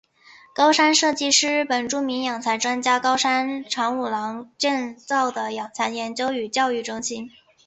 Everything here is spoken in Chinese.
高山社迹是日本著名养蚕专家高山长五郎建造的养蚕研究与教育中心。